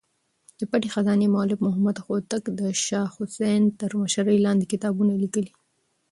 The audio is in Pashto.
د پټې خزانې مولف محمد هوتک د شاه حسين تر مشرۍ لاندې کتابونه ليکلي.